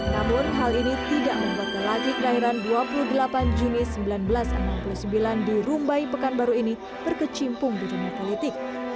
namun hal ini tidak membuatnya lagi kelahiran dua puluh delapan juni seribu sembilan ratus enam puluh sembilan di rumbai pekanbaru ini berkecimpung di dunia politik